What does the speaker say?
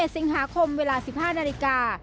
๑สิงหาคมเวลา๑๕นาฬิกา